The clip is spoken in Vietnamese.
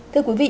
thưa quý vị